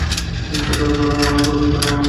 সাক্ষাত না করে - না দেখে।